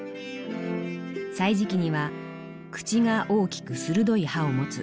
「歳時記」には「口が大きく鋭い歯をもつ。